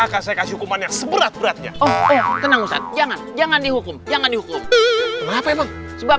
akan saya kasih hukuman yang seberat beratnya jangan jangan dihukum jangan dihukum sebab